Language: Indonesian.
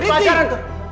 wah ini pacaran tuh